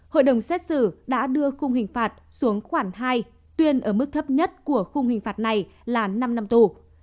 hội đồng xét xử đã đưa khung hình phạt xuống khoảng hai tuyên ở mức thấp nhất của khung hình phạt này là năm năm tù